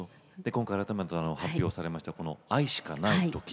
今回、改めて発表されました「愛しかない時」